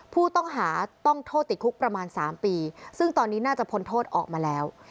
ผู้ต้องหาต้องโทษติดคุกประมาณ๓ปีซึ่งตอนนี้น่าจะพ้นโทษออกมาแล้ว